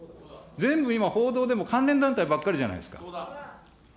全部今、報道でも関連団体ばっかりじゃないですか。